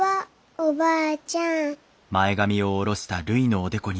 おばあちゃん。